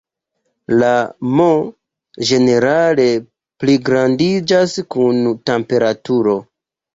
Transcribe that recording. La "m" ĝenerale pligrandiĝas kun temperaturo.